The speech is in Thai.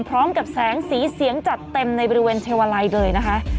พร้อมกับแสงสีเสียงจัดเต็มในบริเวณเทวาลัยเลยนะคะ